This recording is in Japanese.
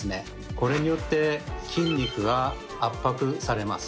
これによって筋肉が圧迫されます。